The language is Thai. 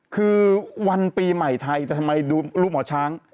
คือวันปีใหม่ไทยแต่ทำไมดูรูปหมอช้าง